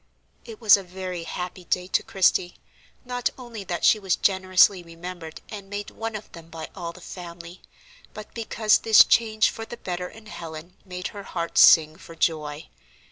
It was a very happy day to Christie, not only that she was generously remembered and made one of them by all the family, but because this change for the better in Helen made her heart sing for joy.